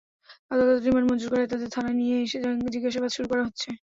আদালত রিমান্ড মঞ্জুর করায় তাদের থানায় নিয়ে এসে জিজ্ঞাসাবাদ শুরু করা হচ্ছে।